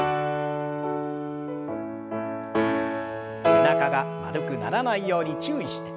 背中が丸くならないように注意して。